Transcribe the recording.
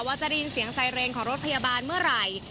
ว่าจะได้ยินเสียงไซเรนของรถพยาบาลเมื่อไหร่